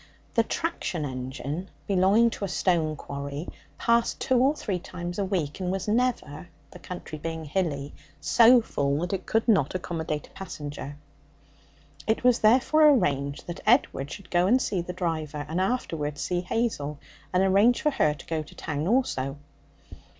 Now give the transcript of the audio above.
The traction engine, belonging to a stone quarry, passed two or three times a week, and was never the country being hilly so full that it could not accommodate a passenger. It was therefore arranged that Edward should go and see the driver, and afterwards see Hazel, and arrange for her to go to town also.